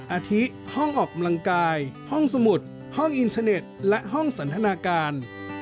อาทิห้องออกกำลังกายห้องสมุดห้องอินเทอร์เน็ตและห้องสันทนาการ